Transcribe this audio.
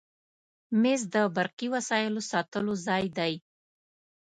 مېز د برقي وسایلو ساتلو ځای دی.